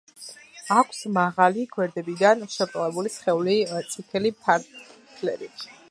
აქვს მაღალი, გვერდებიდან შებრტყელებული სხეული, წითელი ფარფლები.